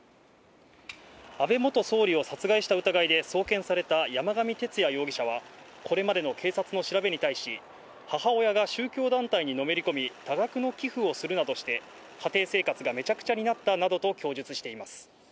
安倍元総理を殺害した疑いで送検された山上徹也容疑者は、これまでの警察の調べに対し、母親が宗教団体にのめり込み、多額の寄付をするなどして、家庭生活がめちゃくちゃになったなどと供述しています。